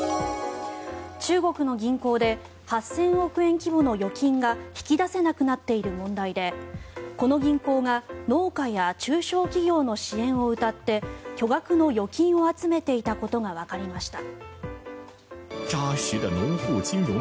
中国の銀行で８０００億円規模の預金が引き出せなくなっている問題でこの銀行が農家や中小企業の支援をうたって巨額の預金を集めていたことがわかりました。